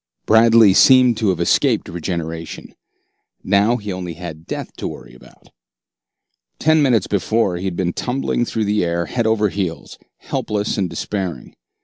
Bradley seemed to have escaped regeneration. Now he had only death to worry about. Ten minutes before, he had been tumbling through the air head over heels, helpless and despairing.